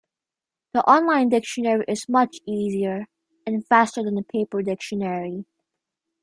The online dictionary is much easier and faster than the paper dictionary.